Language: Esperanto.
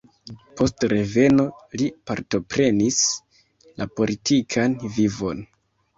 Post reveno li partoprenis la politikan vivon.